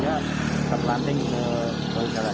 dia terpelanting ke ke jalan